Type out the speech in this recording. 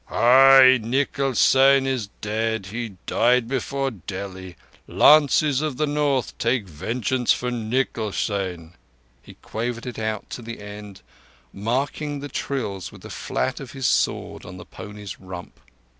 "Ahi! Nikal Seyn is dead—he died before Delhi! Lances of the North, take vengeance for Nikal Seyn." He quavered it out to the end, marking the trills with the flat of his sword on the pony's rump.